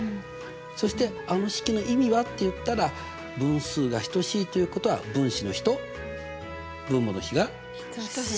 そしてあの式の意味はって言ったら分数が等しいということは分子の比と分母の比が？等しい。